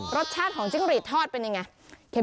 รสชาติของจิ้งหรีดทอดเป็นยังไง